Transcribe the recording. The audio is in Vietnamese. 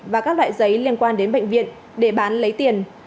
và các loại giấy liên quan đến bệnh viện để bán lấy tiền